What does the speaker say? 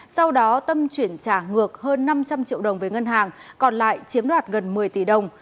sau đó tâm chuyển trả ngược hơn năm trăm linh triệu đồng về ngân hàng còn lại chiếm đoạt gần một mươi tỷ đồng